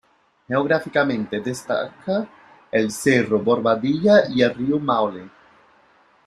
Geográficamente, destaca el cerro "Bobadilla" y el Río Maule.